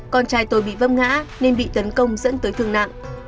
con trai tôi bị vâm ngã nên bị tấn công dẫn tới thương nặng